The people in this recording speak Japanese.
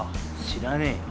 知らねえよ。